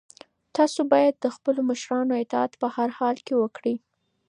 تاسو باید د خپلو مشرانو اطاعت په هر حال کې وکړئ.